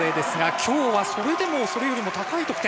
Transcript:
今日はそれでもそれよりも高い得点。